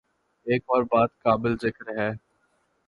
ایک اور بات قابل ذکر ہے۔